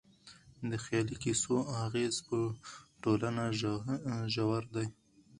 د خيالي کيسو اغېز په ټولنه ژور دی.